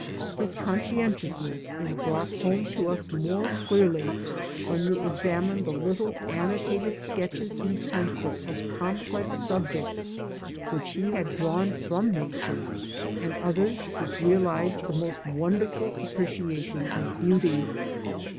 His con scientiousness is brought home to us more clearly when we examine the little annotated sketches in pencil of complex subjects, which he had drawn from Nature, and others which realised the most wonderful appreciation of beauty.